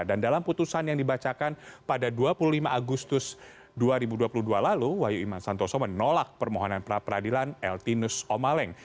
dan dalam putusan yang dibacakan pada dua puluh lima agustus dua ribu dua puluh dua lalu wahyu iman santoso menolak permohonan praperadilan l t nusomaleng